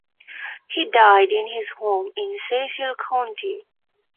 He died in his home in Cecil County.